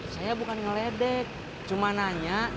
saya bukan ngeledek cuma nanya